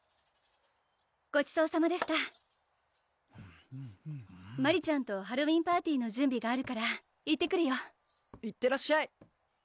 ごちそうさまでしたマリちゃんとハロウィンパーティの準備があるから行ってくるよいってらっしゃい